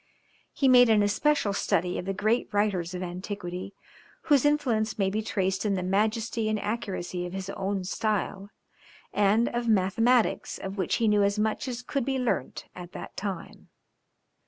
He made an especial study of the great writers of antiquity, whose influence may be traced in the majesty and accuracy of his own style, and of mathematics of which he knew as much as could be learnt at that time.